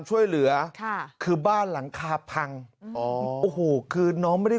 ช่วยเหลือค่ะคือบ้านหลังคาพังอ๋อโอ้โหคือน้องไม่ได้